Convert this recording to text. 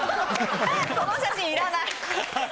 その写真いらない。